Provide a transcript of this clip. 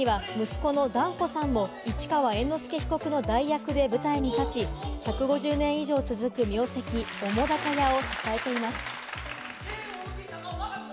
５月には息子の團子さんも市川猿之助被告の代役で舞台に立ち、１５０年以上続く名跡・澤瀉屋を支えています。